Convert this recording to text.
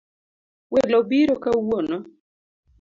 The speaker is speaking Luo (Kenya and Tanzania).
Welo biro kawuono